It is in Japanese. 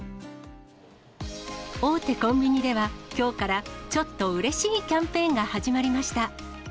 大手コンビニでは、きょうからちょっとうれしいキャンペーンが始まりました。